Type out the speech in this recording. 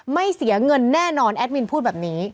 ไม่เสียเงินแน่นอนแอดมินพูดแบบนี้